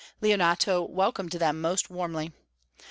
Leonato welcomed them most warmly.